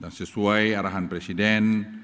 dan sesuai arahan presiden